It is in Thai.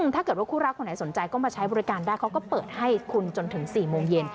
ถ้าเกิดว่าคู่รักคนไหนสนใจก็มาใช้บริการได้เขาก็เปิดให้คุณจนถึง๔โมงเย็น